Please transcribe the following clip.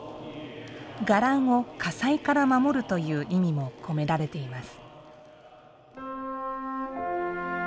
「伽藍を火災から守る」という意味も込められています。